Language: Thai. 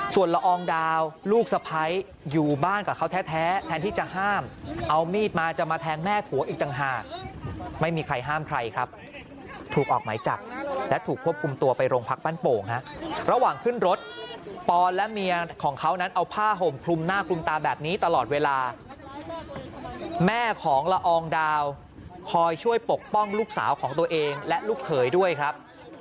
ส่วนละอองดาวลูกสะพ้ายอยู่บ้านกับเขาแท้แทนที่จะห้ามเอามีดมาจะมาแทงแม่ผัวอีกต่างหากไม่มีใครห้ามใครครับถูกออกหมายจับและถูกควบคุมตัวไปโรงพักบ้านโป่งฮะระหว่างขึ้นรถปอนและเมียของเขานั้นเอาผ้าห่มคลุมหน้าคลุมตาแบบนี้ตลอดเวลาแม่ของละอองดาวคอยช่วยปกป้องลูกสาวของตัวเองและลูกเขยด้วยครับ